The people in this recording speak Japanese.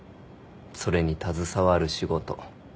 それに携わる仕事。